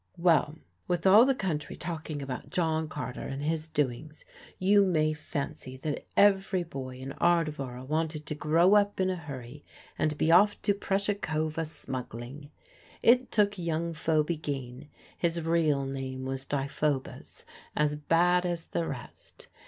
Well, with all the country talking about John Carter and his doings, you may fancy that every boy in Ardevora wanted to grow up in a hurry and be off to Prussia Cove a smuggling. It took young Phoby Geen (his real name was Deiphobus) as bad as the rest.